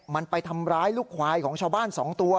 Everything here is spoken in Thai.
มันไปทำร้ายลูกควายของชาวบ้าน๒ตัว